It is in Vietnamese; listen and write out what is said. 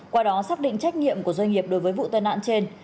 qua đó xác định trách nhiệm của doanh nghiệp đối với vụ tai nạn trên